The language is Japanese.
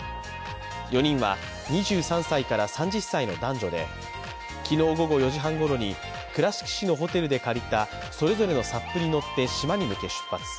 ４人は２３歳から３０歳の男女で昨日午後４時半ごろに倉敷市のホテルで借りたそれぞれのＳＵＰに乗って島に向け出発。